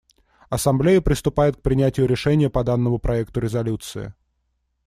Ассамблея приступает к принятию решения по данному проекту резолюции.